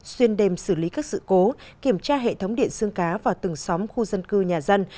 xuyên đêm xử lý các sự cố kiểm tra hệ thống điện xương cá vào từng xóm khu dân cư nhà dân